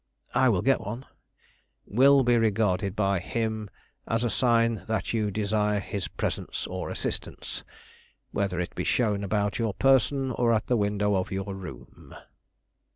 "I will get one." "Will be regarded by him as a sign that you desire his presence or assistance, whether it be shown about your person or at the window of your room."